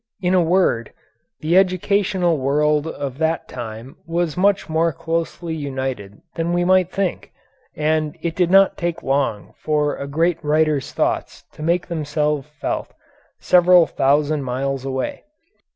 In a word, the educational world of that time was much more closely united than we might think, and it did not take long for a great writer's thoughts to make themselves felt several thousand miles away.